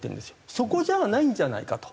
そこじゃないんじゃないかとつまり。